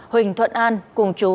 huỳnh thuận an cùng chú